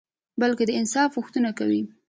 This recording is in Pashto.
بلکي د انصاف غوښته کوي